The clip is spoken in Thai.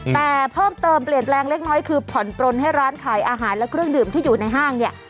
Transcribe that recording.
แต่เพิ่มเติมเปลี่ยนแปลงเล็กน้อยคือผ่อนปลนให้ร้านขายอาหารและเครื่องดื่มที่อยู่ในห้างเนี่ย